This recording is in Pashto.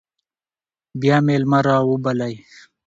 بیا میلمه راوبلئ.